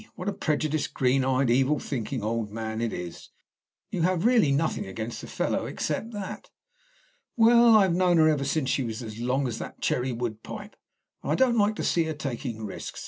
"What a prejudiced, green eyed, evil thinking old man it is! You have really nothing against the fellow except that." "Well, I've known her ever since she was as long as that cherry wood pipe, and I don't like to see her taking risks.